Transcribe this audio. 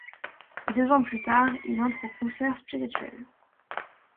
Deux ans plus tard, il entre au Concert Spirituel.